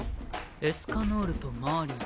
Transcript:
エスカノールとマーリン。